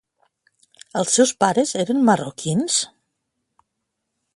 Els seus pares eren marroquins?